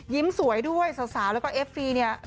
สวยด้วยสาวแล้วก็เอฟซีเนี่ย